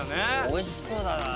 おいしそうだな。